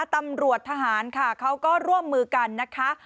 ตำรวจทหารค่ะเขาก็ร่วมมือกันนะคะ